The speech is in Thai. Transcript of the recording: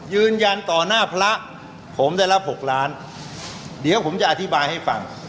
ยืนยันต่อหน้าพระผมได้รับ๖ล้านเดี๋ยวผมจะอธิบายให้ฟัง